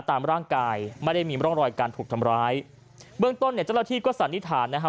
ตามร่างกายไม่ได้มีร่องรอยการถูกทำร้ายเบื้องต้นเนี่ยเจ้าหน้าที่ก็สันนิษฐานนะฮะ